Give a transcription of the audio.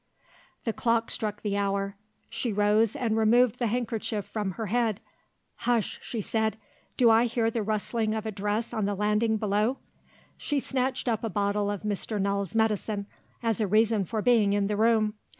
The clock struck the hour. She rose and removed the handkerchief from her head. "Hush!" she said, "Do I hear the rustling of a dress on the landing below?" She snatched up a bottle of Mr. Null's medicine as a reason for being in the room.